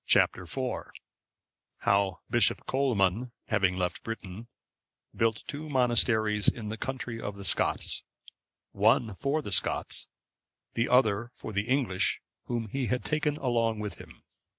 Chap. IV. How Bishop Colman, having left Britain, built two monasteries in the country of the Scots; the one for the Scots, the other for the English whom he had taken along with him.